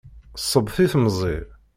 Sseb si temẓi.